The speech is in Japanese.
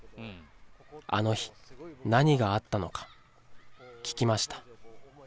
あの日、何があったのか聞きました。